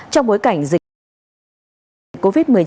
trong bối cảnh dịch covid một mươi chín